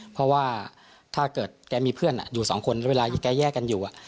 เพราะว่าถ้าเกิดแกมีเพื่อนอยู่สองคนแล้วเวลาแกแยกกันอยู่